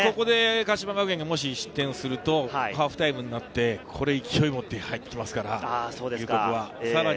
鹿島学園がもし失点をすると、ハーフタイムになって、勢いを持って龍谷は入ってきますから。